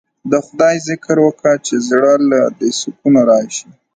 د خداى ذکر وکه چې زړه له دې سکون رايشي.